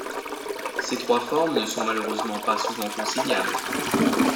Ces trois formes ne sont malheureusement pas souvent conciliables.